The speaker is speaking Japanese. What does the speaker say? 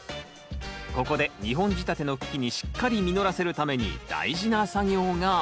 ここで２本仕立ての茎にしっかり実らせるために大事な作業があります